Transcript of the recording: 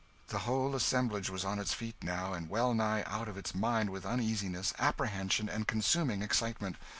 The whole assemblage was on its feet now, and well nigh out of its mind with uneasiness, apprehension, and consuming excitement.